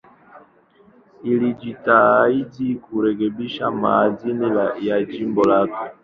Alijitahidi kurekebisha maadili ya jimbo lake.